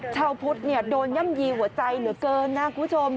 ชาวพุทธโดนย่ำยีหัวใจเหลือเกินนะคุณผู้ชม